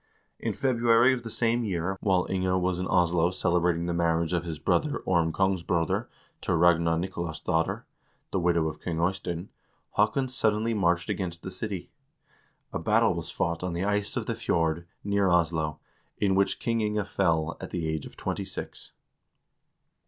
In February of the same year, while Inge was in Oslo cele brating the marriage of his brother, Orm Kongsbroder, to Ragna Nikolasdotter, the widow of King Eystein, Haakon suddenly marched against the city. A battle was fought on the ice of the fjord, near Oslo, in which King Inge fell, at the age of twenty six.